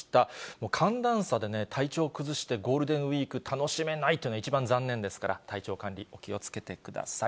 もう寒暖差でね、体調を崩して、ゴールデンウィーク楽しめないというのは一番残念ですから、体調管理、気をつけてください。